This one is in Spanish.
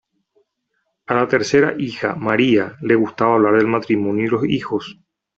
A la tercera hija, María, le gustaba hablar del matrimonio y los hijos.